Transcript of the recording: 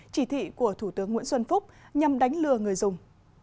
chỉ thị của thủ tướng nguyễn xuân phúc nhằm đánh lừa người dùng